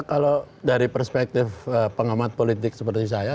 kalau dari perspektif pengamat politik seperti saya